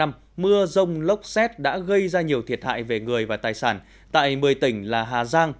mưa rông lốc xét đã gây ra nhiều thiệt hại về người và tài sản tại một mươi tỉnh là hà giang